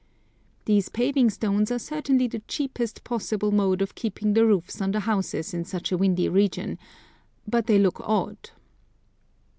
These paving stones are certainly the cheapest possible mode of keeping the roofs on the houses in such a windy region, but they look odd.